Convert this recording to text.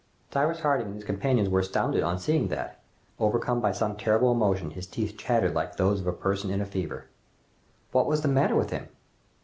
Cyrus Harding and his companions were astounded on seeing that, overcome by some terrible emotion, his teeth chattered like those of a person in a fever. What was the matter with him?